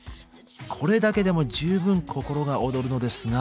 これだけでも十分心が躍るのですが。